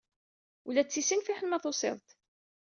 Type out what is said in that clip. Ula d tisin fiḥel ma tusiḍ-d.